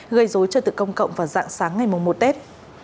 gây dối trật tự công cộng vào dạng sáng ngày một tết